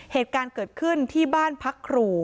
เหตุการณ์เกิดขึ้นที่บ้านพักครู